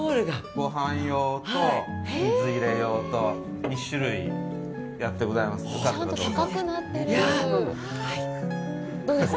ごはん用と水入れ用と２種類やってございます。